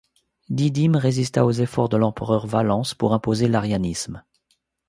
Didyme résista aux efforts de l'empereur Valens pour imposer l'arianisme.